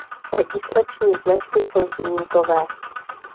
Registrační značky jsou hliníkové.